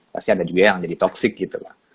pasti ada juga yang jadi toxic gitu lah